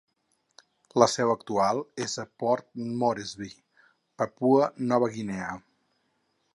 La seu actual és a Port Moresby (Papua Nova Guinea).